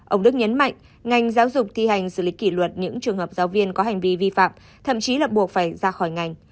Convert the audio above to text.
ông đức nhấn mạnh ngành giáo dục thi hành xử lý kỷ luật những trường hợp giáo viên có hành vi vi phạm thậm chí là buộc phải ra khỏi ngành